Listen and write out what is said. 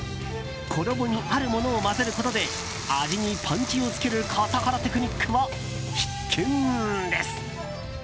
衣にあるものを混ぜることで味にパンチをつける笠原テクニックは必見です。